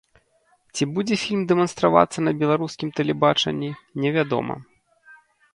Ці будзе фільм дэманстравацца на беларускім тэлебачанні, невядома.